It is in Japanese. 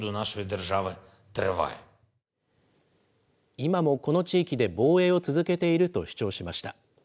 今もこの地域で防衛を続けていると主張しました。